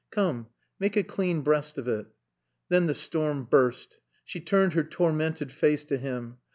"Come, make a clean breast of it." Then the storm burst. She turned her tormented face to him.